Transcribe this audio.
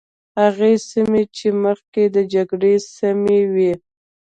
هغه سیمې چې مخکې د جګړې سیمې وي.